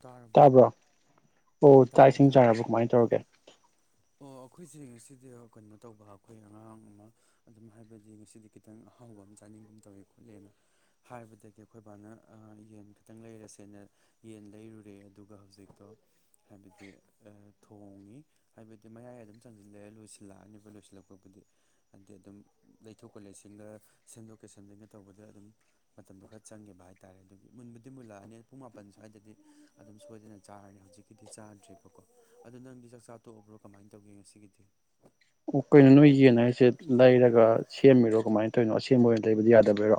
ꯇꯥꯔꯕꯣ ꯇꯥꯕ꯭ꯔꯣ ꯑꯣ ꯑꯥ ꯆꯥꯛ ꯇꯥꯔꯦ ꯏꯁꯤꯡ ꯇꯥꯔꯦ ꯆꯥꯔꯕ ꯀꯃꯥꯏꯅ ꯇꯧꯔꯒꯦ ꯑꯣ ꯑꯩꯈꯣꯏꯁꯦ ꯉꯁꯤꯗꯤ ꯀꯩꯅꯣ ꯇꯧꯕ ꯑꯩꯈꯣꯏ ꯑꯉꯥꯡ ꯑꯃ ꯑꯗꯨꯝ ꯍꯥꯏꯕꯗꯤ ꯉꯁꯤꯗꯤ ꯈꯤꯇꯪ ꯑꯍꯥꯎꯕ ꯑꯃ ꯆꯥꯅꯤꯡꯕ ꯑꯃ ꯇꯧꯋꯦ ꯈꯣꯠꯂꯦꯅ ꯍꯥꯏꯕꯗꯤ ꯑꯩꯈꯣꯏ ꯕꯥꯅ ꯌꯦꯟ ꯈꯇꯪ ꯂꯩꯔꯦꯁꯦꯅ ꯌꯦꯟ ꯂꯩꯔꯨꯔꯦ ꯑꯗꯨꯒ ꯍꯧꯖꯤꯛꯇꯣ ꯍꯥꯏꯕꯗꯤ ꯊꯣꯡꯉꯤ ꯍꯥꯏꯕꯗꯤ ꯃꯌꯥꯏ ꯑꯗꯨꯝ ꯆꯪꯁꯤꯜꯂꯛꯑꯦ ꯂꯣꯏꯁꯤꯜꯂꯛꯑꯅꯤꯕ ꯂꯣꯏꯁꯤꯜꯂꯛꯄꯕꯨꯗꯤ ꯍꯥꯏꯗꯤ ꯑꯗꯨꯝ ꯂꯩꯊꯣꯛꯄ ꯂꯩꯁꯤꯡꯒ ꯁꯦꯝꯗꯣꯛꯀ ꯁꯦꯝꯖꯤꯟꯒꯦ ꯇꯧꯕꯗ ꯑꯗꯨꯝ ꯃꯇꯝꯗꯣ ꯈꯔ ꯆꯪꯒꯦꯈꯤꯕ ꯍꯥꯏꯇꯥꯔꯦ ꯑꯗꯨꯒꯤ ꯃꯨꯟꯕꯨꯗꯤ ꯃꯨꯜꯂꯛꯑꯅꯤ ꯄꯨꯡ ꯃꯥꯄꯟ ꯁ꯭ꯋꯥꯏꯗꯗꯤ ꯑꯗꯨꯝ ꯁꯣꯏꯗꯅ ꯆꯥꯔꯅꯤ ꯍꯧꯖꯤꯛꯀꯤꯗꯤ ꯆꯥꯗ꯭ꯔꯤꯕꯀꯣ ꯑꯗꯣ ꯅꯪꯗꯤ ꯆꯥꯛꯆꯥ ꯇꯣꯛꯑꯕ꯭ꯔꯣ ꯀꯃꯥꯏꯅ ꯇꯧꯒꯦ ꯉꯁꯤꯒꯤꯗꯤ ꯑꯣ ꯀꯩꯅꯣ ꯅꯣꯏ ꯌꯦꯟꯉ ꯍꯥꯏꯁꯦ ꯂꯩꯔꯒ ꯁꯦꯝꯃꯤꯔꯣ ꯀꯃꯥꯏꯅ ꯇꯧꯔꯤꯅꯣ ꯑꯁꯦꯡꯕ ꯑꯣꯏꯅ ꯂꯩꯕꯗꯤ ꯌꯥꯗꯕꯔꯣ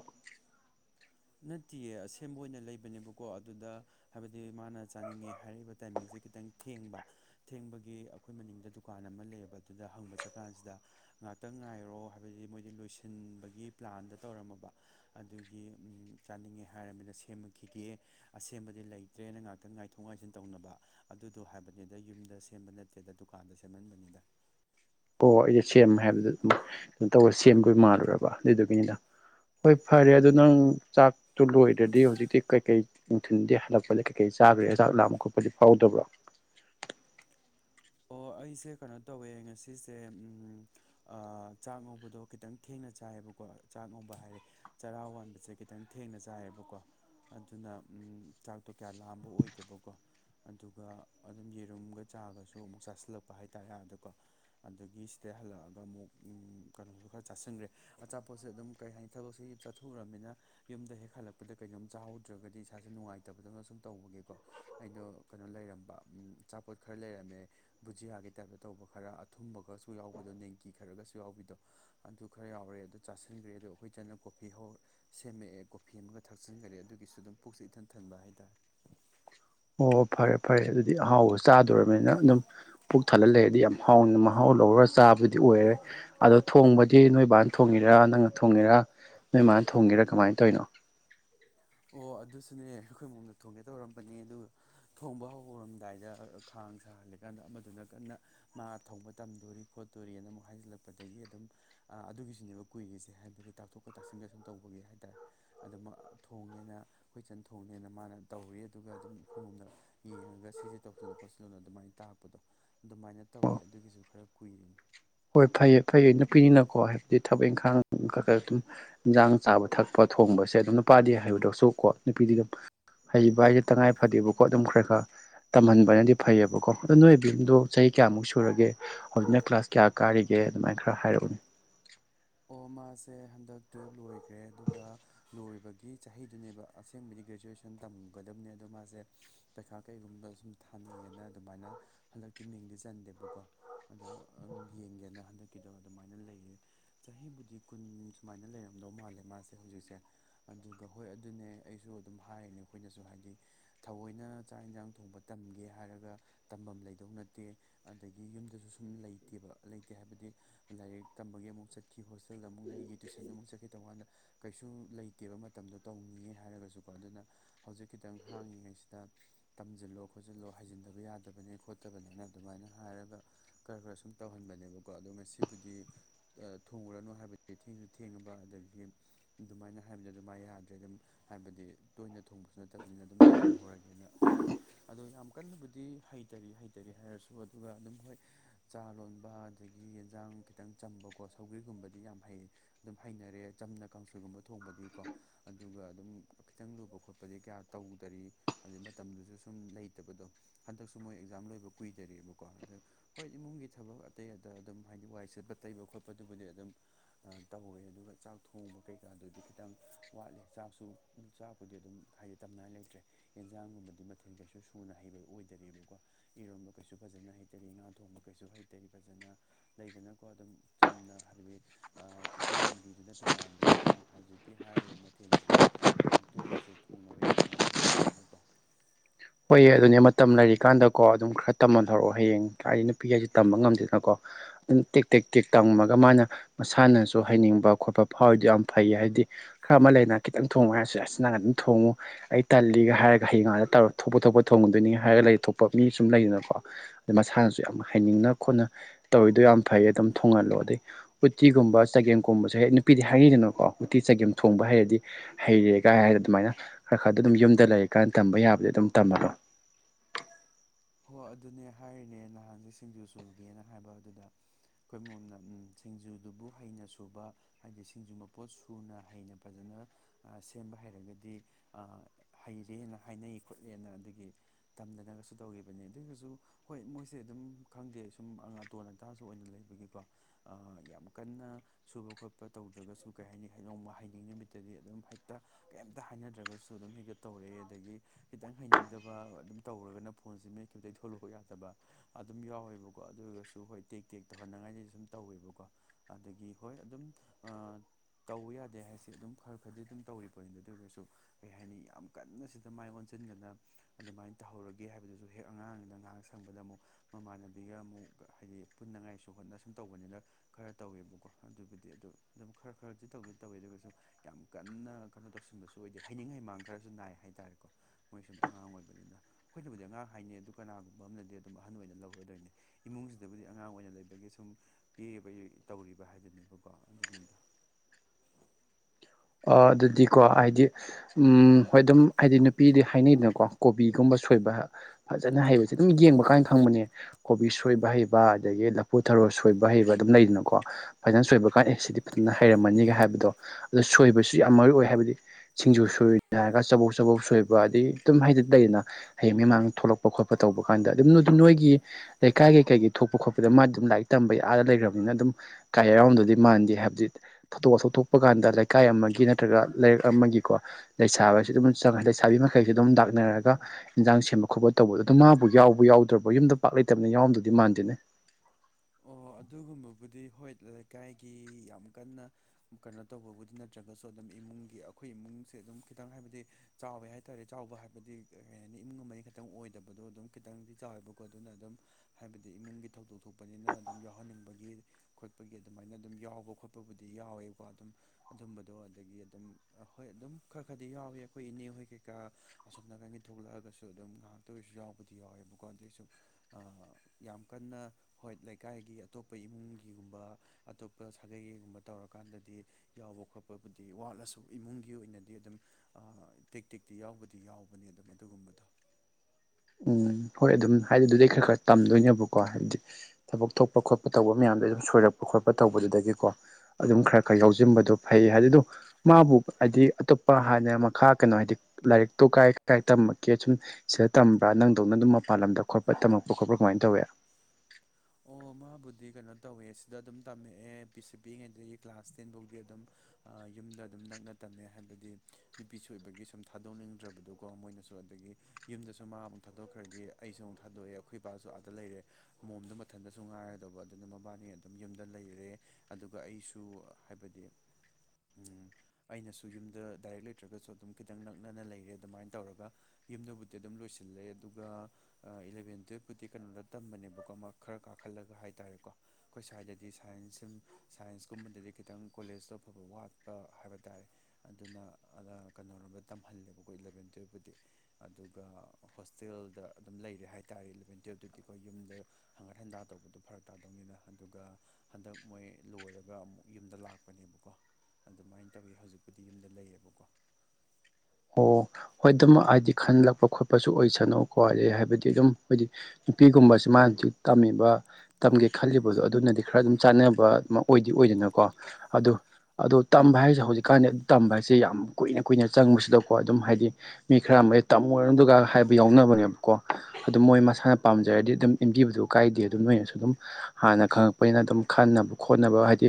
ꯅꯠꯇꯦꯌꯦ ꯑꯁꯦꯡꯕ ꯑꯣꯏꯅ ꯂꯩꯕꯅꯦꯕꯀꯣ ꯑꯗꯨꯗ ꯍꯥꯏꯕꯗꯤ ꯃꯥꯅ ꯆꯥꯅꯤꯡꯉꯦ ꯍꯥꯏꯔꯛꯏꯕ ꯇꯥꯏꯃꯤꯡꯁꯦ ꯈꯤꯇꯪ ꯊꯦꯡꯕ ꯊꯦꯡꯕꯒꯤ ꯑꯩꯈꯣꯏ ꯃꯅꯤꯡꯗ ꯗꯨꯀꯥꯟ ꯑꯃ ꯂꯩꯌꯦꯕ ꯑꯗꯨꯗ ꯍꯪꯕ ꯆꯠꯀꯥꯟꯁꯤꯗ ꯉꯥꯛꯇ ꯉꯥꯏꯔꯣ ꯍꯥꯏꯕꯕꯁꯤ ꯃꯣꯏꯗꯤ ꯂꯣꯏꯁꯤꯟꯕꯒꯤ ꯄ꯭ꯂꯥꯟꯗ ꯇꯧꯔꯝꯃꯕ ꯑꯗꯨꯒꯤ ꯆꯥꯅꯤꯡꯉꯦ ꯍꯥꯏꯔꯕꯗ ꯁꯦꯝꯃꯈꯤꯒꯦ ꯑꯁꯦꯡꯕꯗꯤ ꯂꯩꯇ꯭ꯔꯦꯅ ꯉꯥꯛꯇꯪ ꯉꯥꯏꯊꯣꯛ ꯉꯥꯏꯁꯤꯟ ꯇꯧꯅꯕ ꯑꯗꯨꯗꯣ ꯍꯥꯏꯕꯅꯤꯗ ꯌꯨꯝꯗ ꯁꯦꯝꯕ ꯅꯠꯇꯦꯗ ꯗꯨꯀꯥꯟꯗ ꯁꯦꯝꯍꯟꯕꯅꯤꯗ ꯑꯣ ꯑꯩꯁꯦ ꯁꯦꯝꯃꯦ ꯍꯥꯏꯕꯗꯣ ꯑꯗꯨ ꯀꯩꯅꯣ ꯇꯧꯔ ꯁꯦꯝꯒꯣꯏ ꯃꯥꯜꯂꯨꯔꯕ ꯑꯗꯨꯏꯗꯨꯒꯤꯅꯤꯅ ꯍꯣꯏ ꯐꯔꯦ ꯑꯗꯣ ꯅꯪ ꯆꯥꯛ ꯇꯨ ꯂꯣꯏꯗ꯭ꯔꯗꯤ ꯍꯧꯖꯤꯛꯇꯤ ꯀꯩꯀꯩ ꯅꯨꯡꯊꯤꯜꯗꯤ ꯍꯜꯂꯛꯄꯗ ꯀꯩꯀꯩ ꯆꯥꯈ꯭ꯔꯦ ꯆꯖꯥꯛ ꯂꯥꯝꯕ ꯈꯣꯠꯄꯗꯤ ꯐꯥꯎꯗꯕ꯭ꯔꯣ ꯑꯣ ꯑꯩꯁꯦ ꯀꯩꯅꯣ ꯇꯧꯋꯦ ꯉꯁꯤꯁꯦ ꯆꯥꯛ ꯉꯧꯕꯗꯣ ꯈꯤꯇꯪ ꯊꯦꯡꯅ ꯆꯥꯏꯌꯦꯕꯀꯣ ꯆꯥꯛ ꯉꯧꯕ ꯍꯥꯏꯔꯦ ꯆꯔꯥ ꯋꯥꯟꯕꯁꯦ ꯈꯤꯇꯪ ꯊꯦꯡꯅ ꯆꯥꯏꯌꯦꯕꯀꯣ ꯑꯗꯨꯅ ꯆꯥꯛꯇꯣ ꯀꯌꯥ ꯂꯥꯝꯕ ꯑꯣꯏꯗꯦꯕꯀꯣ ꯑꯗꯨꯒ ꯑꯗꯨꯝ ꯌꯦꯔꯨꯝꯒ ꯆꯥꯒꯁꯨ ꯑ ꯑꯃꯨꯛ ꯆꯥꯁꯤꯜꯂꯛꯄ ꯍꯥꯏꯇꯥꯔꯦ ꯑꯗꯣ ꯑꯗꯒꯤ ꯁꯤꯗꯩ ꯍꯜꯂꯛꯑꯒ ꯑꯃꯨꯛ ꯀꯩꯅꯣꯁꯨ ꯈꯔ ꯆꯥꯁꯤꯟꯈ꯭ꯔꯦ ꯑꯆꯥꯄꯣꯠꯁꯦ ꯑꯗꯨꯝ ꯀꯩ ꯍꯥꯏꯅꯤ ꯊꯕꯛꯁꯤ ꯆꯠꯊꯣꯛꯎꯔꯕꯃꯤꯅ ꯌꯨꯝꯗ ꯍꯦꯛ ꯍꯜꯂꯛꯄꯗ ꯀꯩꯅꯣꯝ ꯆꯥꯍꯧꯗ꯭ꯔꯒꯗꯤ ꯏꯁꯥꯁꯦ ꯅꯨꯡꯉꯥꯏꯇꯕꯗꯧꯅ ꯁꯨꯝ ꯇꯧꯕꯒꯤꯀꯣ ꯑꯩꯅꯣ ꯀꯩꯅꯣ ꯂꯩꯔꯝꯕ ꯑꯆꯥꯄꯣꯠ ꯈꯔ ꯂꯩꯔꯝꯃꯦ ꯕꯨꯖꯤꯌꯥꯒꯤ ꯇꯥꯏꯞꯇ ꯇꯧꯕ ꯈꯔ ꯑꯊꯨꯝꯕꯒꯁꯨ ꯌꯥꯎꯕꯗꯣ ꯅꯦꯡꯀꯤ ꯈꯔꯒꯁꯨ ꯌꯥꯎꯕꯤꯗꯣ ꯑꯗꯨ ꯈꯔ ꯌꯥꯎꯔꯦ ꯑꯗꯨ ꯆꯥꯁꯤꯟꯈ꯭ꯔꯦ ꯑꯗꯣ ꯑꯩꯈꯣꯏ ꯖꯅ ꯀꯣꯐꯤ ꯍꯧ ꯁꯦꯝꯃꯛꯑꯦ ꯀꯣꯐꯤ ꯑꯃꯒ ꯊꯛꯆꯤꯟꯈꯔꯦ ꯑꯗꯨꯒꯤꯁꯨ ꯑꯗꯨꯝ ꯄꯨꯛꯁ ꯏꯊꯟ ꯊꯟꯕ ꯍꯥꯏꯇꯥꯔꯦ ꯑꯣ ꯍꯣ ꯐꯔꯦ ꯐꯔꯦ ꯑꯗꯨꯗꯤ ꯑꯍꯥꯎꯕꯁꯨ ꯆꯥꯗꯣꯔꯕꯅꯤꯅ ꯑꯗꯨꯝ ꯄꯨꯛ ꯊꯜꯍꯜ ꯂꯩꯔꯗꯤ ꯌꯥꯝ ꯅ ꯃꯍꯥꯎ ꯂꯧꯔꯒ ꯆꯥꯕꯗꯨ ꯑꯣꯏꯔꯦ ꯑꯗꯣ ꯊꯣꯡꯕꯗꯤ ꯅꯣꯏꯕꯥꯅ ꯊꯣꯡꯉꯤꯔ ꯅꯪꯅ ꯊꯣꯡꯉꯦꯔ ꯅꯣꯏ ꯃꯥꯅ ꯊꯣꯡꯒꯦꯥ ꯀꯃꯥꯏ ꯇꯧꯔꯤꯅꯣ ꯑꯣ ꯑꯗꯨꯁꯨꯅꯦ ꯑꯩꯈꯣꯏ ꯃꯑꯣꯡꯗ ꯊꯣꯡꯒꯦ ꯇꯧꯔꯝꯕꯅꯦ ꯑꯗꯨꯒ ꯊꯣꯡꯕ ꯍꯧꯔꯝꯗꯥꯏꯗ ꯈꯥꯡ ꯁꯥꯍꯜꯜꯂꯤꯀꯥꯟꯗ ꯑꯃꯗꯨꯅ ꯀꯟꯅ ꯃꯥ ꯊꯧꯕ ꯇꯝꯗꯣꯔꯤ ꯈꯣꯠꯇꯣꯔꯤꯅ ꯑꯃꯨꯛ ꯍꯥꯏꯖꯤꯜꯂꯛꯄꯗꯒꯤ ꯑꯗꯨꯝ ꯑꯗꯨꯒꯤꯁꯤꯅꯦꯕ ꯀꯨꯏꯔꯤꯁꯦ ꯍꯥꯏꯕꯗꯤ ꯇꯥꯛꯊꯣꯛꯀ ꯇꯥꯁꯤꯟꯒ ꯁꯨꯝ ꯇꯧꯕꯒꯤ ꯍꯥꯏ ꯇꯥꯔꯦ ꯑꯗꯣ ꯊꯣꯡꯅꯤꯅ ꯑꯩꯈꯣꯏ ꯏ ꯆꯟ ꯊꯣꯡꯅꯦꯅ ꯃꯥꯅ ꯇꯧꯔꯤ ꯑꯗꯨꯒ ꯑꯗꯨꯝ ꯑꯩꯈꯣꯏ ꯃꯝꯗ ꯌꯦꯡꯉꯒ ꯁꯤꯁꯦ ꯇꯧꯁꯤꯜꯂꯣ ꯈꯣꯠꯁꯤꯜꯂꯣ ꯑꯗꯨꯃꯥꯏꯅ ꯇꯥꯛꯄꯗꯣ ꯑꯗꯨꯃꯥꯏꯅ ꯑꯣ ꯇꯧꯔꯤ ꯑꯗꯨꯒꯤꯁꯨ ꯈꯔ ꯀꯨꯏꯔꯤꯅꯤ ꯍꯣꯏ ꯐꯩꯌꯦ ꯐꯩꯌꯦ ꯑꯩꯅ ꯄꯤꯅꯤꯅꯀꯣ ꯍꯥꯏꯕꯗꯤ ꯊꯕꯛ ꯏꯪꯈꯥꯡ ꯈ ꯈ ꯑꯗꯨꯝ ꯏꯟꯁꯥꯡ ꯆꯥꯕ ꯊꯛꯄ ꯊꯣꯡꯕꯁꯦ ꯑꯗꯨꯝ ꯅꯨꯄꯥꯗꯤ ꯍꯥꯏꯕꯗꯁꯨ ꯀꯣ ꯅꯨꯄꯤꯗꯤ ꯑꯗꯨꯝ ꯍꯩꯕ ꯑꯩꯁꯦ ꯇꯉꯥꯏ ꯐꯗꯦꯕ ꯈꯣꯠ ꯑꯗꯨꯝ ꯈ꯭ꯔꯦ ꯈꯔ ꯇꯝꯍꯟꯕꯅꯗꯤ ꯐꯩꯌꯦꯕꯀꯣ ꯑꯗꯣ ꯅꯣꯏ ꯕꯤꯚꯝꯗꯣ ꯆꯍꯤ ꯀꯌꯥꯃꯨꯛ ꯁꯨꯔꯒꯦ ꯍꯧꯖꯤꯛꯅ ꯀ꯭ꯂꯥꯁ ꯀꯌꯥ ꯀꯥꯔꯤꯒꯦ ꯑꯗꯨꯃꯥꯏꯅ ꯈꯔ ꯍꯥꯏꯔꯛꯎꯅꯦ ꯑꯣ ꯃꯥꯁꯦ ꯍꯟꯗꯛ ꯇꯨꯋꯦꯜꯞ ꯂꯣꯏꯈ꯭ꯔꯦ ꯑꯗꯨꯒ ꯂꯣꯏꯕꯒꯤ ꯆꯍꯤꯗꯨꯅꯦꯕ ꯑꯁꯦꯡꯕꯗꯤ ꯒ꯭ꯔꯦꯖꯨꯋꯦꯁꯟ ꯇꯝꯒꯗꯕꯅꯦ ꯑꯗꯣ ꯃꯥꯁꯦ ꯄꯩꯈꯥ ꯀꯩꯒꯨꯝꯕ ꯁꯨꯝ ꯊꯥꯅꯤꯡꯉꯦꯅ ꯑꯗꯨꯃꯥꯏꯅ ꯍꯟꯗꯛꯇꯤ ꯃꯤꯡꯗꯤ ꯆꯟꯗꯦꯕꯀꯣ ꯑꯗꯣ ꯌꯦꯡꯒꯦꯅ ꯍꯟꯗꯛꯀꯤꯗꯣ ꯑꯗꯨꯃꯥꯏꯅ ꯂꯩꯌꯦ ꯆꯍꯤꯕꯨꯗꯤ ꯀꯨꯟ ꯁꯨꯃꯥꯏꯅ ꯂꯩꯔꯝꯗꯧ ꯃꯥꯜꯂꯦ ꯃꯥꯁꯦ ꯍꯧꯖꯤꯛꯁꯦ ꯑꯗꯨꯒ ꯍꯣꯏ ꯑꯗꯨꯅꯦ ꯑꯩꯁꯨ ꯑꯗꯨꯝ ꯍꯥꯏꯔꯤꯅꯦ ꯑꯩꯈꯣꯏꯅꯁꯨ ꯍꯥꯏꯗꯤ ꯊꯑꯣꯏꯅ ꯆꯥꯛ ꯌꯦꯟꯁꯥꯡ ꯊꯣꯡꯕ ꯇꯝꯒꯦ ꯍꯥꯏꯔꯒ ꯇꯝꯐꯝ ꯂꯩꯗꯧ ꯅꯠꯇꯦ ꯑꯗꯒꯤ ꯌꯨꯝꯗꯁꯨ ꯁꯨꯝ ꯂꯩꯇꯦꯕ ꯂꯩꯇꯦ ꯍꯥꯏꯕꯗꯤ ꯂꯥꯏꯔꯤꯛ ꯇꯝꯕꯒꯤ ꯑꯃꯨꯛ ꯆꯠꯈꯤ ꯍꯣꯁꯇꯦꯜꯗ ꯑꯃꯨꯛ ꯂꯩꯈꯤ ꯇꯨꯏꯁꯟ ꯑꯃꯨꯛ ꯆꯠꯈꯤ ꯇꯧꯕꯀꯥꯟꯗ ꯀꯩꯁꯨ ꯂꯩꯇꯦꯕ ꯃꯇꯝꯗꯣ ꯇꯧꯅꯤꯡꯉꯦ ꯍꯥꯏꯔꯒꯁꯨꯀꯣ ꯑꯗꯨꯅ ꯍꯧꯖꯤꯛ ꯈꯤꯇꯪ ꯍꯥꯡꯉꯤꯉꯩꯁꯤꯗ ꯇꯝꯁꯤꯜꯂꯣ ꯈꯣꯠꯆꯜꯂꯣ ꯍꯥꯏꯩꯖꯤꯟꯗꯕ ꯌꯥꯗꯕꯅꯦ ꯈꯣꯠꯇꯕꯅꯦꯅ ꯑꯗꯨꯃꯥꯏꯅ ꯍꯥꯏꯔꯒ ꯈꯔ ꯈꯔ ꯁꯨꯝ ꯇꯧꯍꯟꯕꯅꯦꯕꯀꯣ ꯑꯗꯣ ꯉꯁꯤꯕꯨꯗꯤ ꯊꯣꯡꯉꯨꯔꯅꯨ ꯍꯥꯏꯕꯗꯤ ꯊꯦꯡꯁꯨ ꯊꯦꯡꯉꯕ ꯑꯗꯒꯤ ꯑꯗꯨꯃꯥꯏꯅ ꯍꯥꯏꯕꯗ ꯑꯗꯨꯃꯥꯏꯅ ꯌꯥꯗ꯭ꯔꯦ ꯑꯗꯨꯝ ꯍꯥꯏꯕꯗꯤ ꯇꯣꯏꯅ ꯊꯣꯡꯕꯁꯨ ꯅꯠꯇꯕꯅꯤꯅ ꯑꯗꯨꯝ ꯇꯝꯍꯧꯔꯒꯦꯅ ꯇꯧꯋꯦ ꯑꯗꯣ ꯌꯥꯝ ꯀꯟꯅꯕꯨꯗꯤ ꯍꯩ ꯍꯩꯇꯔꯤ ꯍꯩꯇꯔꯤ ꯍꯥꯏꯔꯁꯨ ꯑꯗꯨꯒ ꯑꯗꯨꯝ ꯍꯣꯏ ꯆꯥ ꯂꯣꯟꯕ ꯑꯗꯒꯤ ꯌꯦꯟꯖꯥꯡ ꯈꯤꯇꯪ ꯆꯝꯕꯀꯣ ꯊꯧꯒ꯭ꯔꯤꯒꯨꯝꯕꯗꯤ ꯌꯥꯝ ꯍꯩ ꯑꯗꯨꯝ ꯍꯩꯅꯔꯦ ꯆꯝꯅ ꯀꯥꯡꯁꯣꯏꯒꯨꯝꯕ ꯊꯣꯡꯕꯗꯤꯀꯣ ꯑꯗꯨꯒ ꯑꯗꯨꯝ ꯈꯤꯇꯪ ꯂꯨꯕ ꯈꯣꯠꯄꯗꯤ ꯀꯌꯥ ꯇꯧꯗꯔꯤ ꯑꯗꯩ ꯃꯇꯝꯗꯨꯁꯨ ꯁꯨꯝ ꯂꯩꯇꯕꯗꯣ ꯍꯟꯗꯛꯁꯨ ꯃꯣꯏ ꯑꯦꯛꯖꯥꯝ ꯂꯣꯏꯕ ꯀꯨꯏꯗꯔꯤꯑꯦꯕꯀꯣ ꯍꯟꯗꯛ ꯍꯣꯏ ꯏꯃꯨꯡꯒꯤ ꯊꯕꯛ ꯑꯇꯩ ꯑꯗ ꯑꯗꯨꯝ ꯍꯥꯏꯗꯤ ꯋꯥꯏ ꯆꯠꯄ ꯇꯩꯕ ꯈꯣꯠꯄꯗꯨꯕꯨꯗꯤ ꯑꯗꯨꯝ ꯇꯧꯋꯦ ꯑꯗꯨꯒ ꯆꯥꯛ ꯊꯣꯡꯕ ꯀꯩꯀꯥꯗꯨꯗꯤ ꯈꯤꯇꯪ ꯋꯥꯠꯂꯦ ꯆꯥꯛꯁꯨ ꯑꯗꯨ ꯆꯥꯛꯄꯨꯗꯤ ꯑꯗꯨꯝ ꯍꯥꯏꯗꯤ ꯇꯝꯅꯤꯡꯉꯥꯏ ꯂꯩꯇ꯭ꯔꯦ ꯌꯦꯟꯖꯥꯡꯒꯨꯝꯕꯗꯤ ꯃꯊꯦꯜ ꯀꯩꯁꯨ ꯁꯨꯅ ꯍꯩꯕ ꯑꯣꯏꯗꯔꯦꯕꯀꯣ ꯏꯔꯣꯟꯕ ꯀꯩꯁꯨ ꯐꯖꯅ ꯍꯩꯇꯔꯤ ꯉꯥ ꯊꯣꯡꯕ ꯀꯩꯁꯨ ꯍꯩꯇꯔꯤ ꯐꯖꯅ ꯂꯩꯗꯅꯀꯣ ꯑꯗꯨꯝ ꯆꯝꯅ ꯍꯥꯏꯕꯗꯤ ꯎꯇꯤ ꯅꯨꯡꯇꯤꯗꯨꯗ ꯇꯣꯉꯥꯟꯈ꯭ꯔꯦ ꯑꯗꯨꯝ ꯍꯧꯖꯤꯛꯀꯤ ꯍꯥꯏꯔꯤꯕ ꯃꯊꯦꯜꯁꯤꯗꯤ ꯑꯗꯨꯝ ꯇꯣꯏꯅꯁꯨ ꯊꯣꯡꯅꯕ ꯌꯥꯕ ꯃꯊꯦꯜ ꯑꯣꯏꯗꯅꯀꯣ ꯍꯣꯏꯌꯦꯦ ꯑꯗꯨꯅꯦ ꯃꯇꯝ ꯂꯩꯔꯤꯀꯥꯟꯗꯀꯣ ꯑꯗꯨꯝ ꯈꯔ ꯇꯝꯍꯟꯊꯧꯔꯛꯑꯣ ꯍꯌꯦꯡ ꯍꯥꯏꯗꯤ ꯅꯨꯄꯤ ꯍꯥꯏꯁꯦ ꯇꯝꯕ ꯉꯝꯗꯦꯗꯅꯀꯣ ꯑꯗꯨꯝ ꯇꯦꯛ ꯇꯦꯛ ꯇꯦꯛ ꯇꯝꯝꯃꯒ ꯃꯥꯅ ꯃꯁꯥꯅꯁꯨ ꯍꯥꯏꯩꯅꯤꯡꯕ ꯈꯣꯠꯄ ꯐꯥꯎꯗꯤ ꯌꯥꯝ ꯐꯩ ꯍꯥꯏꯕꯗꯤ ꯈꯔ ꯑꯃ ꯂꯩꯅ ꯈꯤꯇꯪ ꯊꯣꯡꯉꯨ ꯍꯥꯏꯔꯁꯨ ꯑꯁ ꯅꯥꯇꯝ ꯊꯣꯡꯉꯨ ꯑꯩ ꯇꯜꯂꯤꯒ ꯍꯥꯏꯔꯒ ꯍꯌꯦꯡ ꯉꯥꯇ ꯇꯧꯔ ꯊꯣꯛꯄ ꯊꯣꯛꯄ ꯊꯣꯡꯉꯗꯣꯏꯅꯤ ꯍꯥꯏꯔꯒ ꯂꯩ ꯊꯣꯛꯄ ꯃꯤ ꯁꯨꯝ ꯂꯩꯗꯅꯀꯣ ꯑꯗꯩ ꯃꯁꯥꯅꯁꯨ ꯌꯥꯝ ꯍꯩꯅꯤꯡꯅ ꯈꯣꯠꯅ ꯇꯧꯔꯤꯗꯣ ꯌꯥꯝ ꯐꯩ ꯑꯗꯨꯝ ꯊꯣꯡꯍꯜꯂꯣ ꯑꯗꯩ ꯎꯇꯤꯒꯨꯝꯕ ꯆꯒꯦꯝꯒꯨꯝꯕꯁꯦ ꯍꯥꯏ ꯅꯨꯄꯤꯗꯤ ꯍꯥꯏꯉꯤꯗꯅꯀꯣ ꯎꯇꯤ ꯆꯒꯦꯝ ꯊꯣꯡꯕ ꯍꯥꯏꯔꯗꯤ ꯍꯩꯔꯦ ꯀꯥꯏ ꯍꯥꯏꯔꯅ ꯑꯗꯨꯃꯥꯏꯅ ꯈꯔ ꯈꯔꯗ ꯑꯗꯨꯝ ꯌꯨꯝꯗ ꯂꯩꯔ ꯀꯥꯟꯅ ꯇꯝꯕ ꯌꯥꯕꯗꯤ ꯑꯗꯨꯝ ꯇꯝꯍꯜꯂꫭ ꯍꯣꯏ ꯑꯗꯨꯅꯦ ꯍꯥꯏꯔꯤꯅꯦ ꯅꯍꯥꯟꯁꯦ ꯁꯤꯡꯖꯨ ꯆꯨꯒꯦꯅ ꯍꯥꯏꯕ ꯑꯗꯨꯗ ꯑꯩꯈꯣꯏ ꯃꯣꯝꯅ ꯁꯤꯡꯖꯨꯗꯨꯕꯨ ꯍꯩꯅ ꯁꯨꯕ ꯍꯥꯏꯗꯤ ꯁꯤꯡꯖꯨꯕ ꯄꯣꯠ ꯁꯨꯅ ꯍꯩꯅ ꯐꯖꯅ ꯁꯦꯝꯕ ꯍꯩꯔꯒꯗꯤ ꯍꯩꯔꯦꯅ ꯍꯥꯏꯅꯩ ꯈꯣꯠꯂꯦꯅ ꯑꯗꯨꯒꯤ ꯇꯝꯅꯔꯒꯁꯨ ꯇꯧꯈꯤꯕꯅꯤ ꯑꯗꯨꯁꯨ ꯍꯣꯏ ꯃꯣꯏꯁꯦ ꯑꯗꯨꯝ ꯈꯪꯗꯦ ꯁꯨꯝ ꯑꯥꯡ ꯑꯇꯣꯟ ꯉꯇꯥꯁꯨ ꯑꯣꯏꯅ ꯂꯩꯕꯒꯤꯀꯣ ꯌꯥꯝ ꯀꯟꯅ ꯁꯨꯕ ꯈꯣꯠꯄ ꯇꯧꯗ꯭ꯔꯒꯁꯨ ꯀꯩ ꯍꯥꯏꯅꯤ ꯅꯣꯡꯃ ꯍꯩꯅꯤꯡ ꯅꯨꯃꯤꯠꯇꯗꯤ ꯑꯗꯨꯝ ꯍꯦꯛꯇ ꯀꯩꯝꯇ ꯍꯥꯏꯅꯗ꯭ꯔꯒꯁꯨ ꯑꯗꯨꯝ ꯍꯦꯛꯇ ꯇꯧꯔꯛꯑꯦ ꯑꯗꯒꯤ ꯈꯤꯇꯪ ꯍꯩꯅꯤꯡꯗꯕ ꯑꯗꯨꯝ ꯇꯧꯔꯒꯅ ꯐꯣꯟꯁꯦ ꯃꯦꯛ ꯈꯤꯝꯇꯩ ꯊꯣꯛꯂꯛꯄ ꯌꯥꯗꯕ ꯑꯗꯨꯝ ꯌꯥꯎꯋꯦꯕꯀꯣ ꯑꯗꯨꯔꯒꯁꯨ ꯍꯣꯏ ꯇꯦꯛ ꯇꯦꯛ ꯇꯧꯍꯟꯅꯅꯤꯡꯉꯥꯏꯗ ꯁꯨꯝ ꯇꯧꯋꯦꯕꯀꯣ ꯑꯗꯒꯤ ꯍꯣꯏ ꯑꯗꯨꯝ ꯑ ꯇꯧ ꯌꯥꯗꯦ ꯍꯥꯏꯁ ꯑꯗꯨꯝ ꯈꯔ ꯈꯔꯗꯤ ꯑꯗꯨꯝ ꯇꯧꯔꯤꯕꯅꯤ ꯑꯗꯨ ꯑꯣꯏꯔꯒꯁꯨ ꯀꯩ ꯍꯥꯏꯅꯤ ꯌꯥꯝ ꯀꯟꯅ ꯁꯤꯗ ꯃꯥꯏ ꯑꯣꯟꯁꯤꯟꯗꯅ ꯑꯗꯨꯃꯥꯏꯅ ꯇꯧꯍꯧꯔꯒ ꯍꯥꯏꯕꯗꯨꯁꯨ ꯍꯦꯛ ꯑꯉꯥꯡꯅꯤꯅ ꯉꯥꯏꯍꯥꯛ ꯁꯪꯕꯗ ꯑꯃꯨꯛ ꯃꯃꯥꯟꯅꯕꯤꯒ ꯑꯃꯨꯛ ꯍꯥꯏꯗꯤ ꯄꯨꯟꯅꯉꯥꯏꯁꯨ ꯍꯣꯠꯅ ꯁꯨꯝ ꯇꯧꯕꯅꯤꯅ ꯈꯔ ꯇꯧꯋꯦꯕꯀꯣ ꯑꯗꯨꯕꯨꯗꯤ ꯑꯗꯨ ꯑꯗꯨꯝ ꯈꯔ ꯈꯔꯗꯤ ꯇꯧꯗꯤ ꯇꯧꯋꯦ ꯑꯗꯨꯒꯁꯨ ꯌꯥꯝ ꯀꯟꯅ ꯀꯩꯅꯣ ꯇꯧꯁꯤꯟꯕꯁꯨ ꯑꯣꯏꯗꯦ ꯍꯥꯏꯩꯅꯤꯡ ꯍꯩꯃꯥꯡ ꯈꯔꯁꯨ ꯅꯥꯏ ꯍꯥꯏ ꯇꯥꯔꯦꯀꯣ ꯃꯣꯏ ꯁꯨꯝ ꯑꯉꯥꯡ ꯑꯣꯏꯕꯅꯤꯅ ꯑꯩꯈꯣꯏꯅꯕꯨꯗꯤ ꯑꯉꯥꯡ ꯍꯥꯏꯅꯤꯩ ꯑꯗꯨ ꯀꯅꯥꯒꯨꯝꯕ ꯑꯃꯅꯗꯤ ꯑꯗꯨꯝ ꯑꯍꯟ ꯑꯣꯏꯅ ꯂꯧꯔꯗꯣꯏꯅꯤ ꯏꯃꯨꯡꯁꯤꯗꯕꯨꯗꯤ ꯑꯉꯥꯡ ꯑꯣꯏꯅ ꯂꯩꯕꯒꯤ ꯁꯨꯝ ꯄꯦꯕ ꯇꯧꯔꯤꯕ ꯍꯥꯏꯗꯨꯅꯦꯕꯀꯣ ꯑꯗꯨꯅꯤꯗ ꯑꯗꯨꯗꯤꯀꯣ ꯍꯥꯏꯗꯤ ꯎꯝ ꯍꯣꯏ ꯑꯗꯨꯝ ꯍꯥꯏꯗꯤ ꯅꯨꯄꯤꯗꯤ ꯍꯥꯏꯅꯩꯗꯅꯀꯣ ꯀꯣꯕꯤꯒꯨꯝꯕ ꯁꯣꯏꯕ ꯐꯖꯅ ꯍꯩꯕꯁꯦ ꯑꯗꯨꯝ ꯌꯦꯡꯕ ꯀꯥꯟ ꯈꯪꯕꯅꯦ ꯀꯣꯕꯤꯁꯨ ꯁꯣꯏꯕ ꯍꯩꯕ ꯑꯗꯒꯤ ꯂꯐꯨ ꯊꯔꯣ ꯁꯣꯏꯕ ꯍꯩꯕ ꯑꯗꯨꯝ ꯂꯩꯗꯅꯀꯣ ꯐꯖꯅ ꯁꯣꯏꯕ ꯀꯥꯟꯗ ꯐꯖꯅ ꯍꯩꯔꯝꯃꯅꯤꯒ ꯍꯥꯏꯕꯗꯣ ꯑꯗꯨ ꯁꯣꯏꯕꯕꯁꯤ ꯌꯥꯝ ꯃꯔꯨ ꯑꯣꯏ ꯍꯥꯏꯕꯗꯤ ꯁꯤꯡꯖꯨ ꯁꯣꯏꯅ ꯍꯥꯏꯔꯒ ꯆꯕꯧ ꯆꯕꯧ ꯁꯣꯏꯕ ꯑꯩ ꯑꯗꯨꯝ ꯍꯥꯏꯗꯤ ꯂꯩꯗꯅ ꯍꯌꯦꯡ ꯃꯃꯥꯡ ꯊꯣꯛꯂꯛꯄ ꯈꯣꯠꯄ ꯇꯧꯕ ꯀꯥꯟꯗ ꯑꯗꯨꯝ ꯅꯣꯏꯒꯤ ꯂꯩꯀꯥꯏꯒꯤ ꯀꯩꯒꯤ ꯊꯣꯛꯄ ꯈꯣꯠꯄꯗ ꯃꯥꯗꯤ ꯑꯗꯨꯝ ꯂꯥꯏꯔꯤꯛ ꯇꯝꯕ ꯌꯥꯗ ꯂꯩꯈ꯭ꯔꯕꯅꯤꯅ ꯑꯗꯨꯝ ꯀꯥꯏ ꯌꯥꯔꯥꯎꯝꯗꯗꯤ ꯃꯥꯟꯗꯦ ꯍꯥꯏꯕꯗꯤ ꯊꯥꯗꯣꯛ ꯑꯁꯣꯛ ꯊꯣꯛꯄ ꯀꯥꯟꯗꯥ ꯏꯀꯥꯏ ꯑꯃꯒꯤ ꯅꯠꯇ꯭ꯔꯒ ꯂꯩꯥꯏꯔꯤꯛ ꯑꯃꯒꯤꯀꯣ ꯂꯩꯁꯥꯕꯤꯁꯤ ꯑꯗꯨꯝ ꯆꯪꯉꯦ ꯂꯩꯁꯥꯕꯤ ꯃꯈꯩꯁꯨ ꯑꯗꯨꯝ ꯗꯥꯛꯅꯔꯒ ꯌꯦꯟꯖꯥꯡ ꯁꯦꯝꯕ ꯈꯣꯠꯄ ꯇꯧꯕꯗꯣ ꯑꯗꯨꯣ ꯃꯥꯕꯨ ꯌꯥꯎꯕ ꯌꯥꯎꯗ꯭ꯔꯕ ꯌꯨꯝꯗ ꯄꯥꯛ ꯂꯩꯇꯕꯅ ꯌꯥꯎꯔꯝꯗꯨꯗꯤ ꯃꯥꯟꯗꯦꯅꯦ ꯑꯣ ꯑꯗꯨꯒꯨꯝꯕꯕꯨꯗꯤ ꯍꯣꯏ ꯂꯩꯀꯥꯏꯒꯤ ꯌꯥꯝ ꯀꯟꯅ ꯀꯩꯅꯣ ꯇꯧꯕꯕꯨꯗꯤ ꯅꯠꯇ꯭ꯔꯒꯁꯨ ꯑꯗꯨꯝ ꯏꯃꯨꯡꯒꯤ ꯑꯩꯈꯣꯏ ꯏꯃꯨꯡꯁꯦ ꯑꯗꯨꯝ ꯈꯤꯇꯪ ꯍꯥꯏꯕꯗꯤ ꯆꯥꯎꯋꯦ ꯍꯥꯏꯇꯥꯔꯦ ꯆꯥꯎꯕ ꯍꯥꯏꯕꯗꯤ ꯀꯩ ꯍꯥꯏꯅꯤ ꯏꯃꯨꯡ ꯃꯅꯨꯡ ꯈꯛꯇꯪ ꯑꯣꯏꯗꯕꯗꯣ ꯑꯗꯨꯝ ꯈꯤꯇꯪꯗꯤ ꯆꯥꯎꯋꯦꯕꯀꯣ ꯑꯗꯨꯅ ꯑꯗꯨꯝ ꯍꯥꯏꯕꯗꯤ ꯏꯃꯨꯡꯒꯤ ꯊꯧꯗꯣꯛ ꯊꯣꯛꯄ ꯀꯄꯅꯤꯅ ꯑꯗꯨꯝ ꯌꯥꯎꯍꯟꯅꯤꯡꯕꯒꯤ ꯈꯣꯠꯄꯒꯤ ꯑꯗꯨꯃꯥꯏꯅ ꯑꯗꯨꯝ ꯌꯥꯎꯕ ꯈꯣꯠꯄꯕꯨꯗꯤ ꯌꯥꯎꯋꯦꯕꯀꯣ ꯑꯗꯨꯝ ꯑꯗꯨꯝꯕꯗꯣ ꯑꯗꯒꯤ ꯑꯗꯨꯝ ꯍꯣꯏ ꯑꯗꯨꯝ ꯈꯔ ꯈꯔꯗꯤ ꯌꯥꯎꯋꯤ ꯑꯩꯈꯣꯏ ꯏꯅꯦ ꯍꯣꯏ ꯀꯩꯀꯥ ꯑꯁꯣꯝ ꯅꯥꯀꯟꯒꯤ ꯊꯣꯛꯂꯛꯑꯒꯁꯨ ꯑꯗꯨꯝ ꯉꯥꯏꯍꯥꯛꯇ ꯑꯣꯏꯔꯁꯨ ꯌꯥꯎꯕꯗꯤ ꯌꯥꯎꯋꯦꯕꯀꯣ ꯑꯗꯨꯑꫭꯏꯁꯨ ꯌꯥꯝ ꯀꯟꯅ ꯍꯣꯏ ꯂꯩꯀꯥꯏꯒꯤ ꯑꯇꯣꯞꯄ ꯏꯃꯨꯡꯒꯤꯒꯨꯝꯕ ꯑꯇꯣꯞꯄ ꯁꯥꯒꯩꯒꯤꯒꯨꯝꯕ ꯇꯧꯔꯀꯥꯟꯗꯗꯤ ꯌꯥꯎꯕ ꯈꯣꯠꯄꯕꯨꯗꯤ ꯋꯥꯠꯂꯁꯨ ꯏꯃꯨꯡꯒꯤ ꯑꯣꯏꯅꯗꯤ ꯑꯗꯨꯝ ꯇꯤꯛ ꯇꯤꯛꯇꯤ ꯌꯥꯎꯕꯗꯤ ꯌꯥꯎꯕꯅꯦ ꯑꯗꯨꯝ ꯑꯗꯨꯒꯨꯝꯕꯗꯣ ꯎꯝ ꯍꯣꯏ ꯑꯗꯨꯝ ꯍꯥꯏꯗꯤ ꯑꯗꯨꯗꯤꯩ ꯈꯔ ꯈꯔ ꯇꯝꯗꯣꯏꯅꯦꯕꯀꯣ ꯍꯥꯏꯕꯗꯤ ꯊꯕꯛ ꯊꯣꯛꯄ ꯈꯣꯠꯄ ꯇꯧꯕ ꯃꯌꯥꯝꯗꯣ ꯑꯗꯨꯝ ꯁꯣꯏꯔꯛꯄ ꯈꯣꯠꯄ ꯇꯧꯕꯗꯨꯗꯒꯤꯀꯣ ꯑꯗꯨꯝ ꯈꯔ ꯈꯔ ꯌꯥꯎꯁꯤꯟꯕꯗꯣ ꯐꯩ ꯑꯗꯨꯗꯣ ꯃꯥꯕꯨ ꯍꯥꯏꯗꯤ ꯑꯇꯣꯞꯄ ꯍꯥꯟꯅ ꯃꯈꯥ ꯀꯩꯅꯣ ꯍꯥꯏꯗꯤ ꯂꯥꯏꯔꯤꯛꯇꯣ ꯀꯥꯏ ꯀꯥꯏ ꯇꯝꯃꯛꯀꯦ ꯁꯨꯝ ꯁꯤꯗ ꯇꯝꯕ꯭ꯔꯥ ꯅꯪꯗꯧꯅ ꯑꯗꯨꯝ ꯃꯄꯥꯟ ꯂꯝꯗ ꯈꯣꯠꯄ ꯇꯝꯃꯛꯄ ꯈꯣꯠꯄꯥ ꯀꯃꯥꯏꯅ ꯇꯧꯋꯦ ꯑꯣ ꯃꯥꯕꯨꯗꯤ ꯀꯩꯅꯣ ꯇꯧꯋꯦ ꯁꯤꯗ ꯑꯗꯨꯝ ꯇꯝꯃꯛꯑꯦ ꯄꯤꯁꯤ ꯄꯤꯉꯩꯗꯒꯤꯗꯒꯤ ꯀ꯭ꯂꯥꯁ ꯇꯦꯟꯐꯧꯗꯤ ꯑꯗꯨꯝ ꯌꯨꯝꯗ ꯑꯗꯨꯝ ꯅꯛꯅ ꯇꯝꯃꯦ ꯍꯥꯏꯕꯗꯤ ꯅꯨꯄꯤꯁꯨ ꯑꯣꯏꯕꯒꯤ ꯁꯨꯝ ꯊꯥꯗꯣꯛꯅꯤꯡꯗ꯭ꯔꯕꯗꯣꯀꯣ ꯃꯣꯏꯅꯁꯨ ꯑꯗꯒꯤ ꯌꯨꯝꯗꯁꯨ ꯃꯥ ꯑꯃꯨꯛ ꯊꯥꯗꯣꯛꯈ꯭ꯔꯗꯤ ꯑꯩꯁꯨ ꯑꯃꯨꯛ ꯊꯥꯗꯣꯛꯑꯦ ꯑꯩꯈꯣꯏ ꯏꯕꯥꯁꯨ ꯑꯥꯗ ꯂꯩꯔꯦ ꯃꯣꯝꯗ ꯏꯊꯟꯇꯁꯨ ꯉꯥꯏꯔꯗꯧꯕ ꯑꯗꯨꯅ ꯃꯕꯥꯅꯤ ꯑꯗꯨꯝ ꯌꯨꯝꯗ ꯂꯩꯔꯦ ꯑꯗꯨꯒ ꯑꯩꯁꯨ ꯍꯥꯏꯕꯗꯤ ꯑꯩꯅꯁꯨ ꯌꯨꯝꯗ ꯗꯥꯏꯔꯦꯛ ꯂꯩꯇ꯭ꯔꯒꯁꯨ ꯑꯗꯨꯝ ꯈꯤꯇꯪ ꯅꯛꯅꯅ ꯂꯩꯔꯦ ꯑꯗꯨꯃꯥꯏꯅ ꯇꯧꯔꯒ ꯌꯨꯝꯗꯕꯨꯗꯤ ꯑꯗꯨꯝ ꯂꯣꯏꯁꯤꯜꯂꯦ ꯑꯗꯨꯒ ꯏꯂꯕꯦꯟ ꯇꯨꯋꯜꯞꯄꯨꯗꯤ ꯀꯩꯅꯣꯗ ꯇꯝꯕꯅꯦꯕꯀꯣ ꯈꯔ ꯀꯥꯈꯠꯂꯒ ꯍꯥꯏꯇꯥꯔꯦꯀꯣ ꯑꯩꯈꯣꯏ ꯁ꯭ꯋꯥꯏꯗꯗꯤ ꯁꯥꯏꯟꯁ ꯁꯥꯏꯟꯁꯀꯨꯝꯕꯗꯗꯤ ꯈꯤꯇꯪ ꯀꯣꯂꯦꯖꯇꯣ ꯑꯐꯕ ꯋꯥꯠꯄ ꯍꯥꯏꯕ ꯇꯥꯔꯦ ꯑꯗꯨꯅ ꯀꯩꯅꯣꯔꯣꯝꯗ ꯇꯝꯍꯜꯂꯦꯕꯀꯣ ꯏꯂꯚꯦꯟ ꯇꯨꯌꯦꯜꯞꯄꯨꯗꯤ ꯑꯗꯨꯒ ꯍꯣꯁꯇꯦꯜꯗ ꯑꯗꯨꯝ ꯂꯩꯔꯦ ꯍꯥꯏꯇꯥꯔꯦ ꯏꯂꯚꯦꯟ ꯇꯨꯌꯦꯜꯞꯇꯗꯤꯀꯈꯣꯏ ꯌꯨꯝꯗ ꯊꯥꯡꯒꯠ ꯍꯦꯟꯊ ꯇꯧꯕꯗꯨꯣ ꯐꯔꯛ ꯇꯥꯗꯧꯅꯤꯅ ꯑꯗꯨꯒ ꯍꯟꯗꯛ ꯃꯣꯏ ꯂꯣꯏꯔꯒ ꯑꯃꯨꯛ ꯌꯨꯝꯗ ꯂꯥꯛꯄꯅꯦꯕꯀꯣ ꯑꯗꯨꯃꯥꯏꯅ ꯇꯧꯋꯤ ꯍꯧꯖꯤꯛꯄꯨꯗꯤ ꯌꯨꯝꯗ ꯂꯩꯌꯦꯕꯀꯣ ꯑꯣ ꯍꯣꯏ ꯑꯗꯨꯝ ꯍꯥꯏꯗꯤ ꯈꯟꯂꯛꯄ ꯈꯣꯠꯄꯁꯨ ꯑꯣꯏꯁꯅꯨꯀꯣ ꯍꯥꯏꯗꯤ ꯍꯥꯏꯕꯗꯤ ꯑꯗꯨꯝ ꯍꯥꯏꯗꯤ ꯅꯨꯄꯤꯒꯨꯝꯕꯕꯁꯤ ꯃꯥꯅꯁꯨ ꯇꯝꯃꯤꯕ ꯇꯝꯒꯦ ꯈꯜꯂꯤꯕꯗꯣ ꯑꯗꯨꯅꯗꯤ ꯈꯔ ꯑꯗꯨꯝ ꯆꯥꯟꯅꯕ ꯑꯣꯏꯗꯤ ꯑꯣꯏꯗꯅꯀꯣ ꯑꯗꯨ ꯑꯗꯣ ꯇꯝꯕ ꯍꯥꯏꯁꯦ ꯍꯧꯖꯤꯛꯀꯥꯟꯗꯤ ꯇꯝꯕ ꯍꯥꯏꯁꯦ ꯌꯥꯝ ꯀꯨꯏꯅ ꯀꯨꯏꯅ ꯆꯪꯕꯁꯤꯗꯀꯣ ꯑꯗꯨꯝ ꯍꯥꯏꯗꯤ ꯃꯤ ꯈꯔ ꯑꯃꯗꯤ ꯇꯝꯃꯣꯏꯗꯨꯒ ꯍꯥꯏꯕ ꯌꯥꯎꯅꯕꯅꯦꯕꯀꯣ ꯑꯗꯨꯝ ꯃꯣꯏ ꯃꯁꯥꯅ ꯄꯥꯝꯖꯔꯗꯤ ꯑꯗꯨꯝ ꯏꯟꯕꯤꯕꯗ ꯀꯥꯏꯗꯦ ꯑꯗꯨꯝ ꯅꯣꯏꯅꯁꯨ ꯑꯗꯨꯝ ꯍꯥꯟꯅ ꯈꯪꯉꯛꯄꯅꯤꯅ ꯑꯗꯨꯝ ꯈꯟꯅꯕ ꯈꯣꯠꯅꯕ ꯍꯥꯏꯗꯤ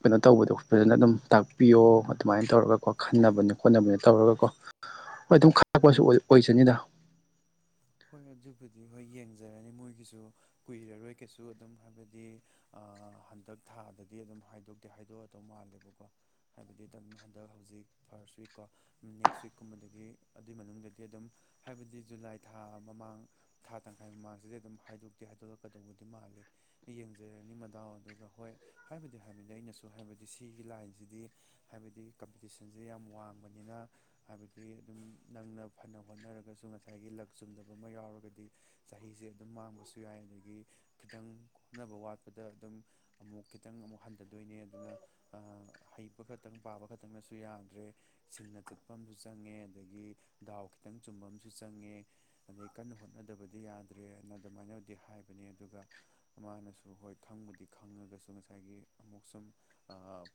ꯀꯩꯅꯣ ꯇꯧꯕꯗꯣ ꯐꯖꯅ ꯑꯗꯨꯝ ꯇꯥꯛꯄꯤꯌꯣ ꯑꯗꯨꯃꯥꯏꯅ ꯇꯧꯔꯒꯀꯣ ꯈꯟꯅꯕꯅꯤ ꯈꯣꯠꯅꯕꯅꯤ ꯇꯧꯔꯒꯀꯣ ꯍꯣꯏ ꯑꯗꯨꯝ ꯈꯥꯛꯄꯁꯨ ꯑꯣꯏꯖꯅꯤꯗ ꯍꯣꯏ ꯑꯗꯨꯕꯨꯗꯤ ꯍꯣꯏ ꯌꯦꯡꯖꯔꯅꯤ ꯃꯣꯏꯒꯤꯁꯨ ꯀꯨꯏꯔꯔꯣꯏ ꯀꯩꯁꯨ ꯑꯗꯨꯝ ꯍꯥꯏꯕꯗꯤ ꯑ ꯍꯟꯗꯛ ꯊꯥꯗꯗꯤ ꯑꯗꯨꯝ ꯍꯥꯏꯗꯣꯛꯇꯦ ꯍꯥꯏꯗꯣꯛꯑꯗꯧ ꯃꯥꯜꯂꯦꯕꯀꯣ ꯍꯥꯏꯕꯗꯤ ꯍꯟꯗꯛ ꯍꯧꯖꯤꯛ ꯐꯥꯔꯁ ꯋꯤꯛ ꯀꯣ ꯅꯦꯛꯁ ꯋꯤꯛꯀꯨꯝꯕꯗꯒꯤ ꯑꯗꯨꯏ ꯃꯅꯨꯡꯗꯗꯤ ꯑꯗꯨꯝ ꯍꯥꯏꯕꯗꯤ ꯖꯨꯂꯥꯏ ꯊꯥ ꯃꯃꯥꯡ ꯊꯥ ꯇꯪꯈꯥꯏ ꯃꯃꯥꯡꯁꯤꯗꯤ ꯑꯗꯨꯝ ꯍꯥꯏꯗꯣꯛꯇꯦ ꯍꯥꯏꯗꯣꯛꯂꯛꯀꯗꯧꯕꯗꯤ ꯃꯥꯜꯂꯤ ꯌꯦꯡꯖꯔꯅꯤ ꯃꯗꯥꯎ ꯑꯗꯨꯒ ꯍꯣꯏ ꯍꯥꯏꯕꯗꯤ ꯍꯥꯏꯕꯗꯤ ꯑꯩꯅꯁꯨ ꯍꯥꯏꯕꯗꯤ ꯁꯤꯒꯤ ꯂꯥꯏꯟꯁꯤꯗꯤ ꯍꯥꯏꯕꯗꯤ ꯀꯝꯄꯤꯇꯤꯁꯟꯁꯦ ꯌꯥꯝ ꯋꯥꯡꯕꯅꯤꯅ ꯍꯥꯏꯕꯗꯤ ꯑꯗꯨꯝ ꯅꯪꯅ ꯐꯅ ꯍꯣꯠꯅꯔꯒꯁꯨ ꯉꯁꯥꯏꯒꯤ ꯂꯛ ꯆꯨꯝꯗꯕ ꯑꯃ ꯌꯥꯎꯔꯒꯗꯤ ꯆꯍꯤꯁꯦ ꯑꯗꯨꯝ ꯃꯥꯡꯕꯁꯨ ꯌꯥꯏ ꯑꯗꯒꯤ ꯈꯤꯇꯪ ꯍꯣꯠꯅꯕ ꯋꯥꯠꯄꯗ ꯑꯗꯨꯝ ꯑꯃꯨꯛ ꯈꯤꯇꯪ ꯑꯃꯨꯛ ꯍꯟꯊꯗꯣꯏꯅꯦ ꯑꯗꯨꯅ ꯍꯩꯕ ꯈꯛꯇꯪ ꯄꯥꯕ ꯈꯛꯇꯪꯅꯁꯨ ꯌꯥꯗ꯭ꯔꯦ ꯁꯤꯡꯅ ꯆꯠꯄ ꯑꯁꯨ ꯆꯪꯉꯦ ꯑꯗꯒꯤ ꯗꯥꯎ ꯈꯤꯇꯪ ꯆꯨꯝꯕ ꯑꯃꯁꯨ ꯆꯪꯉꯦ ꯑꯗꯩ ꯀꯟꯅ ꯍꯣꯠꯅꯗꯕꯗꯤ ꯌꯥꯗ꯭ꯔꯦꯅ ꯑꯗꯨꯃꯥꯏꯅꯕꯨꯗꯤ ꯍꯥꯏꯕꯅꯦ ꯑꯗꯨꯒ ꯃꯥꯅꯁꯨ ꯍꯣꯏ ꯈꯪꯕꯗꯤ ꯈꯪꯉꯒꯁꯨ ꯉꯁꯥꯏꯒꯤ ꯑꯃꯨꯛ ꯁꯨꯝ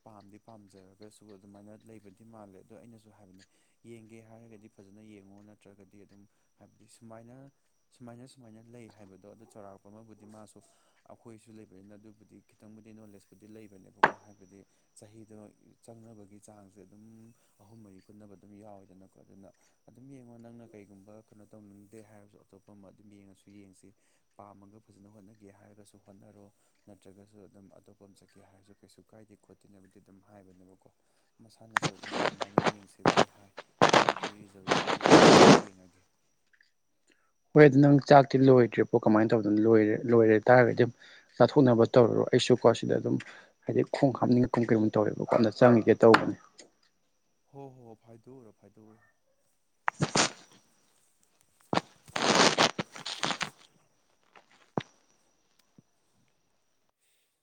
ꯄꯥꯝꯗꯤ ꯄꯥꯝꯖꯔꯒꯁꯨ ꯑꯗꯨꯃꯥꯏꯅ ꯂꯩꯕꯗꯤ ꯃꯥꯜꯂꯦ ꯑꯗꯣ ꯑꯩꯅꯁꯨ ꯍꯥꯏꯕꯅꯦ ꯌꯦꯡꯒꯦ ꯍꯥꯏꯔꯒꯗꯤ ꯐꯖꯅ ꯌꯦꯡꯉꯣ ꯅꯠꯇ꯭ꯔꯒꯗꯤ ꯑꯗꯨꯝ ꯍꯥꯏꯕꯗꯤ ꯁꯨꯃꯥꯏꯅ ꯁꯨꯃꯥꯏꯅ ꯁꯨꯃꯥꯏꯅ ꯂꯩ ꯍꯥꯏꯕꯗꯣ ꯑꯗꯨ ꯆꯥꯎꯔꯥꯛꯄ ꯑꯃꯕꯨꯗꯤ ꯃꯥꯁꯨ ꯑꯩꯈꯣꯏꯁꯨ ꯂꯩꯕꯅꯤꯅ ꯑꯗꯨꯕꯨꯗꯤ ꯈꯤꯇꯪꯕꯨꯗꯤ ꯅꯣꯂꯦꯖꯄꯨꯗꯤ ꯂꯩꯕꯅꯦꯕꯀꯣ ꯍꯥꯏꯕꯗꯤ ꯆꯍꯤꯗꯣ ꯆꯪꯅꯕꯒꯤ ꯆꯥꯡꯁꯦ ꯑꯗꯨꯝ ꯑꯍꯨꯝ ꯃꯔꯤ ꯀꯨꯟꯅꯕ ꯑꯗꯨꯝ ꯌꯥꯎꯋꯗꯅꯀꯣ ꯑꯗꯨꯅ ꯑꯗꯨꯝ ꯌꯦꯡꯉꯣ ꯅꯪꯅ ꯀꯔꯤꯒꯨꯝꯕ ꯀꯩꯅꯣ ꯇꯧꯅꯤꯡꯗꯦ ꯍꯥꯏꯔꯁꯨ ꯑꯇꯣꯞꯄ ꯑꯃ ꯑꯗꯨꯝ ꯌꯦꯡꯉꯁꯨ ꯌꯦꯡꯁꯤ ꯄꯥꯝꯃꯒ ꯐꯖꯅ ꯍꯣꯠꯅꯒꯦ ꯍꯥꯏꯔꯒꯁꯨ ꯍꯣꯠꯅꯔꯣ ꯅꯠꯇ꯭ꯔꯒꯁꯨ ꯑꯗꯨꯝ ꯑꯇꯣꯞꯄ ꯑꯃ ꯆꯠꯀꯦ ꯍꯥꯏꯔꯁꯨ ꯀꯩꯁꯨ ꯀꯥꯏꯗꯦ ꯈꯣꯠꯇꯦꯅꯦꯕꯗꯤ ꯑꯗꯨꯝ ꯍꯥꯏꯕꯅꯦꯕꯀꯣ ꯃꯁꯥꯅꯁꯨ ꯑꯗꯨꯝ ꯑꯗꯨꯃꯥꯏꯅ ꯌꯦꯡꯁꯤꯕꯨꯗꯤ ꯍꯥꯏ ꯍꯟꯗꯛꯀꯤ ꯔꯤꯖꯜ ꯊꯣꯛꯑꯒꯕꯨꯗꯤ ꯍꯥꯏ ꯌꯦꯡꯉꯒꯦ ꯍꯣꯏ ꯑꯗꯨ ꯅꯪ ꯆꯥꯛꯇꯤ ꯂꯣꯏꯗ꯭ꯔꯦꯕꯣ ꯀꯃꯥꯏꯅ ꯇꯧꯗꯅꯔ ꯂꯣꯏꯔꯦ ꯇꯥꯔꯒꯗꯤ ꯆꯥꯊꯣꯛꯅꯕ ꯇꯧꯔꯔꯣ ꯑꯩꯁꯨꯀꯣ ꯁꯤꯗ ꯑꯗꯨꯝ ꯍꯥꯏꯗꯤ ꯈꯣꯡ ꯍꯥꯞꯅꯤꯡꯉꯦ ꯀꯩꯒꯨꯝ ꯇꯧꯔꯦꯕ ꯀꯣꯝꯅ ꯆꯪꯉꯒꯦ ꯇꯧꯕꯅꯦ ꯍꯣ ꯍꯣ ꯍꯣ ꯐꯥꯏꯗꯧꯔꯣ ꯐꯥꯏꯗꯧꯣ [unintelligible]